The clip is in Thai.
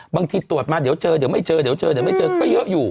บางทีตรวจมาเดี๋ยวเจอเดี๋ยวไม่เจอเดี๋ยวเจอเดี๋ยวไม่เจอก็เยอะอยู่